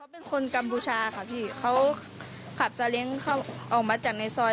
เป็นคนกัมพูชาค่ะพี่เขาขับซาเล้งเขาออกมาจากในซอย